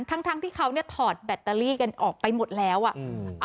ทั้งทั้งที่เขาเนี่ยถอดแบตเตอรี่กันออกไปหมดแล้วอ่ะอืม